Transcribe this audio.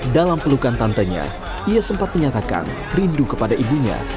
dalam pelukan tantenya ia sempat menyatakan rindu kepada ibunya